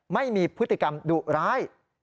ไม่มีพฤติกรรมดุร้าย